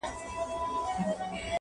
• کړه یې وا لکه ګره د تورو زلفو -